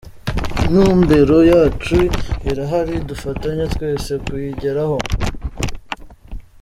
Intumbero yacu irahari, dufatanye twese kuyigeraho.